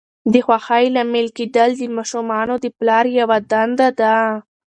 د خوښۍ لامل کېدل د ماشومانو د پلار یوه دنده ده.